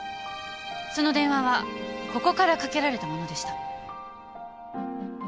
その電話はここからかけられたものでした。